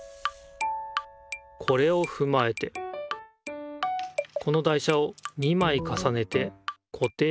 これをふまえてこの台車を２まいかさねてこていしてみる。